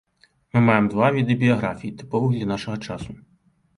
Мы маем два віды біяграфій, тыповых для нашага часу.